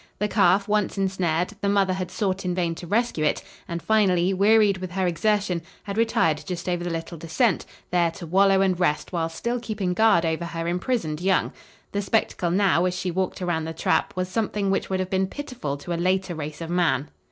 The calf once ensnared, the mother had sought in vain to rescue it, and, finally, wearied with her exertion, had retired just over the little descent, there to wallow and rest while still keeping guard over her imprisoned young. The spectacle now, as she walked around the trap, was something which would have been pitiful to a later race of man.